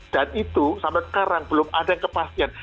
dan itu sampe sekarang belum ada yang kepastian